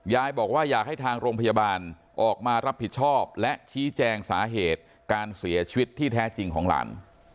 ยายบอกว่าอยากให้ทางโรงพยาบาลออกมารับผิดชอบและชี้แจงสาเหตุการเสียชีวิตที่แท้จริงของหลาน